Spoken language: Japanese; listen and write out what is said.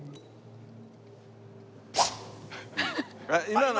今の。